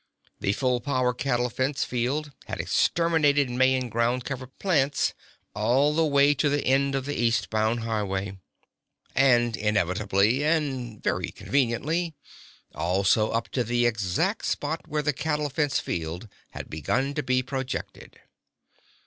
The full power cattle fence field had exterminated Mayan ground cover plants all the way to the end of the east bound highway. And inevitably—and very conveniently—also up to the exact spot where the cattle fence field had begun to be projected.